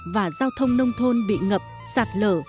và giao thông nông thôn bị ngập sạt lở